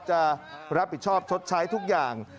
จะรับผิดชอบชดใช้ทุกอย่าง